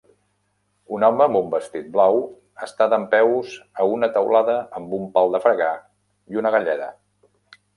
Un home amb un vestit blau està dempeus a una teulada amb un pal de fregar i una galleda.